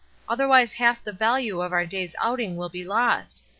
Otherwise half the value of our day's outing will be lost.